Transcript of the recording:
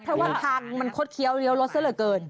เพราะว่าทางมันคดเคี้ยวเลี้ยวรถซะเหลือเกิน